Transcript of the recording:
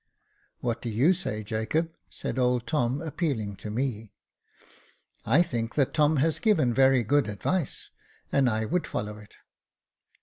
What do you say, Jacob ^" said old Tom, appealing to me. "I think that Tom has given very good advice, and I would follow it."